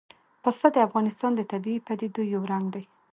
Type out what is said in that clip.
پسه د افغانستان د طبیعي پدیدو یو رنګ دی.